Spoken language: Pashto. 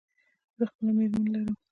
زه خپله مېرمن لرم.